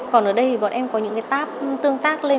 còn ở đây thì bọn em có những cái tap tương tác lên